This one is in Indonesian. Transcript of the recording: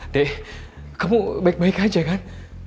deh kamu baik baik aja kan